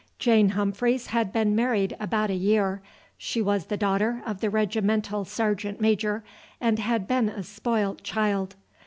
Jane Humphreys had been married about a year. She was the daughter of the regimental sergeant major, and had been a spoilt child.